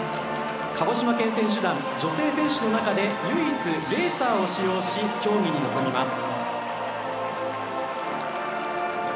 鹿児島県選手団女性選手の中で唯一レーサーを使用し競技に臨みます。